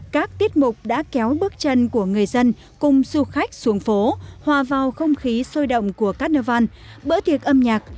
các tiết mục đã kéo bước chân của người dân cùng du khách xuống phố hòa vào không khí sôi động của carnival bữa tiệc âm nhạc